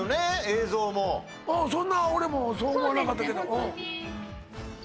映像もそんな俺もそう思わなかったけどそうですね